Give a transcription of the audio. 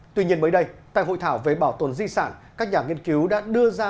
tuy nhiên mới đây tại hội thảo về bảo tồn di sản các nhà nghiên cứu đã đưa ra